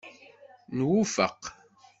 Nwufeq.